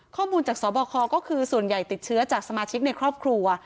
ข้อมูลจากสบคก็คือส่วนใหญ่ติดเชื้อจากสมาชิกในครอบครัว